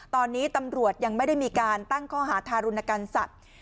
ตอนนี้ตำรวจยังไม่ได้มีการตั้งข้อหาทารุณกรรมสัตว์